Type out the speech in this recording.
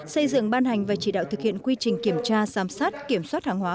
xây dựng ban hành và chỉ đạo thực hiện quy trình kiểm tra giám sát kiểm soát hàng hóa